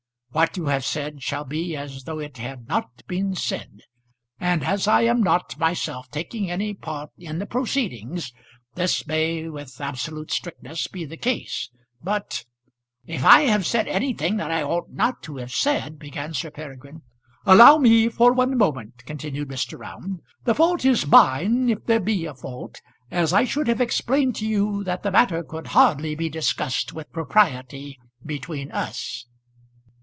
What you have said shall be as though it had not been said; and as I am not, myself, taking any part in the proceedings, this may with absolute strictness be the case. But " "If I have said anything that I ought not to have said " began Sir Peregrine. "Allow me for one moment," continued Mr. Round. "The fault is mine, if there be a fault, as I should have explained to you that the matter could hardly be discussed with propriety between us."